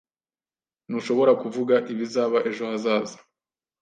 Ntushobora kuvuga ibizaba ejo hazaza